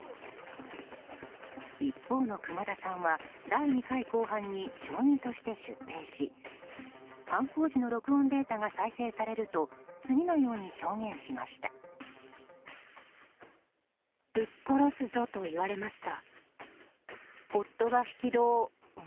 一方の熊田さんは第２回公判に証人として出廷し犯行時の録音データが再生されると次のように証言しました。